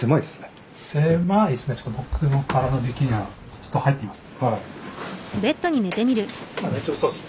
ちょっと入ってみます。